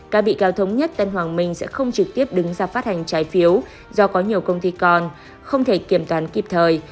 các bị cáo thống nhất tân hoàng minh sẽ không trực tiếp đứng ra phát hành trái phiếu do có nhiều công ty còn không thể kiểm toán kịp thời